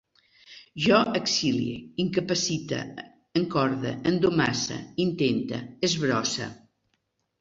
Jo exilie, incapacite, encorde, endomasse, intente, esbrosse